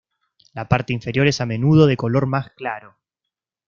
La parte inferior es a menudo de color más claro.